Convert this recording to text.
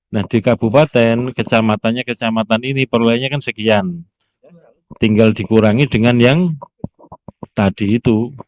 nah di kabupaten kecamatannya kecamatan ini perolehannya kan sekian tinggal dikurangi dengan yang tadi itu